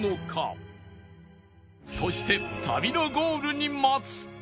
そして旅のゴールに待つ